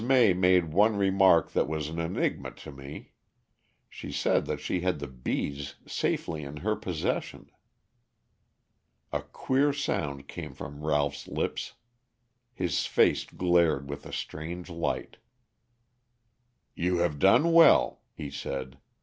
May made one remark that was an enigma to me. She said that she had the bees safely in her possession." A queer sound came from Ralph's lips; his face glared with a strange light. "You have done well," he said.